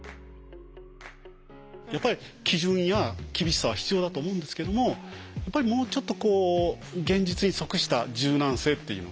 やっぱり基準や厳しさは必要だと思うんですけどもやっぱりもうちょっとこう現実に即した柔軟性っていうのが。